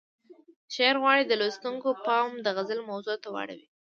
شاعر غواړي د لوستونکو پام د غزل موضوع ته واړوي.